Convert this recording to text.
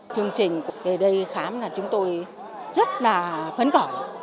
chương trình về đây khám là chúng tôi rất là phấn khởi